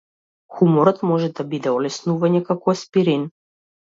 Хуморот може да биде олеснување, како аспирин.